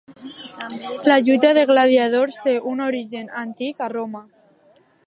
La lluita de gladiadors té un origen antic a Roma.